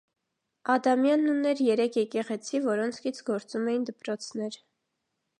Ադյամանն ուներ երեք եկեղեցի, որոնց կից գործում էին դպրոցներ։